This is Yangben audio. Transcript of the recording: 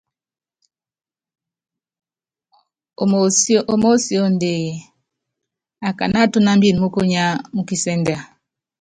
Ómósíóndée, akáná atúnámbini mukunya múkisɛ́ndɛa?